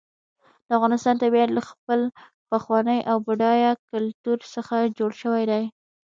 د افغانستان طبیعت له خپل پخواني او بډایه کلتور څخه جوړ شوی دی.